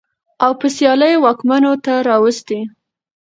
او په سيالۍ واکمنو ته راوستې.